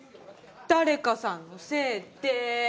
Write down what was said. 誰かさんのせいで。